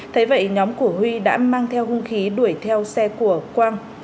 thế vậy nhóm của huy đã mang theo hung khí đuổi theo xe của quang